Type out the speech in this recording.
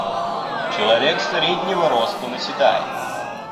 Человек среднего роста наседает.